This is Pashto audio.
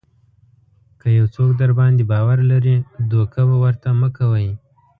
که یو څوک درباندې باور لري دوکه ورته مه کوئ.